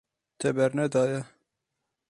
Te bernedaye.